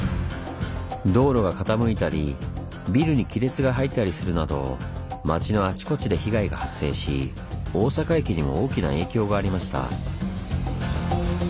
道路が傾いたりビルに亀裂が入ったりするなど街のあちこちで被害が発生し大阪駅にも大きな影響がありました。